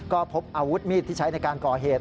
ก็พบอาวุธมีดที่ใช้ในการก่อเหตุ